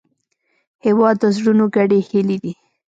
هېواد د زړونو ګډې هیلې دي.